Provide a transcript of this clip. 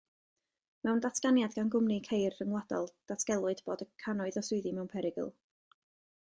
Mewn datganiad gan gwmni ceir rhyngwladol, datgelwyd bod cannoedd o swyddi mewn perygl.